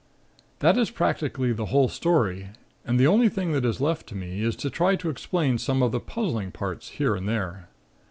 "That is practically the whole story and the only thing that is left to me is to try to explain some of the puzzling parts, here and there.